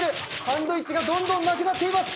サンドイッチどんどんなくなってます。